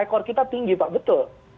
ekor kita tinggi pak betul